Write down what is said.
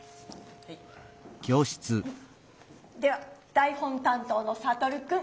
では台本担当のサトルくん。